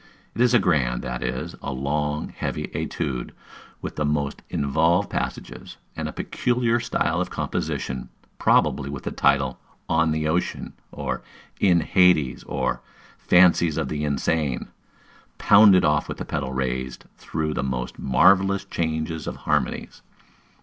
It is a grand that is, a long, heavy étude, with the most involved passages, and a peculiar style of composition, probably with the title "On the Ocean," or "In Hades," or "Fancies of the Insane;" pounded off with the pedal raised through the most marvellous changes of harmonies.